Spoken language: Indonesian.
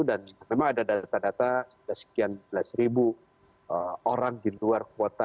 dan memang ada data data sudah sekian belas ribu orang di luar kota